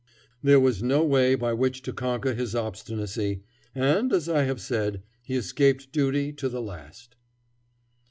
There was no way by which to conquer his obstinacy, and, as I have said, he escaped duty to the last.